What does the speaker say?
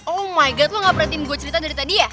oh my good lo gak perhatiin gue cerita dari tadi ya